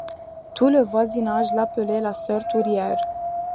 Tout le voisinage l’appelait la sœur tourière.